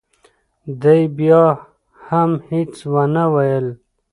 دې بیا هم هیڅ ونه ویل.